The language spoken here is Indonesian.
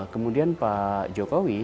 kemudian pak jokowi